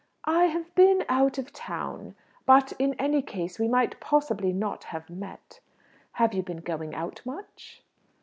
"I have been out of town. But in any case we might possibly not have met. Have you been going out much?"